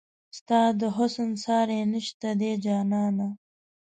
ستا د حسن ساری نشته دی جانانه